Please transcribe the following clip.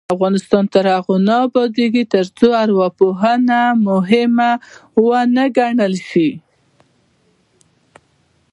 افغانستان تر هغو نه ابادیږي، ترڅو ارواپوهنه مهمه ونه ګڼل شي.